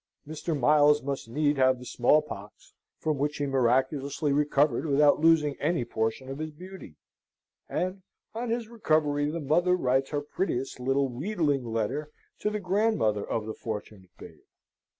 Mr. Miles must need have the small pox, from which he miraculously recovered without losing any portion of his beauty; and on his recovery the mother writes her prettiest little wheedling letter to the grandmother of the fortunate babe.